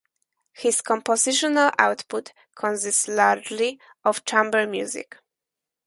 His compositional output consists largely of chamber music.